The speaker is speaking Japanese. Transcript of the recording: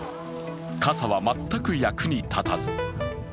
傘は全く役に立たず。